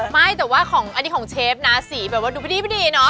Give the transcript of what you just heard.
ไม่แต่ว่าของอันนี้ของเชฟนะสีแบบว่าดูพอดีเนอะ